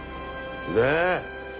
ねえ！